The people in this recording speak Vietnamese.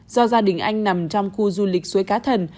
do gia đình anh nằm trong khu du lịch suối cá thần